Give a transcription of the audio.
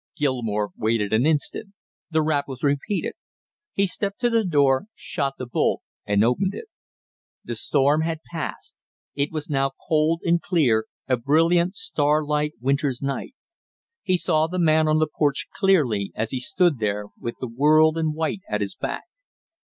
Gilmore waited an instant; the rap was repeated; he stepped to the door, shot the bolt and opened it. The storm had passed; it was now cold and clear, a brilliant, starlit, winter's night. He saw the man on the porch clearly as he stood there with the world in white at his back.